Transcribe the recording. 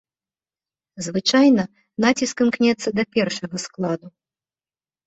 Звычайна, націск імкнецца да першага складу.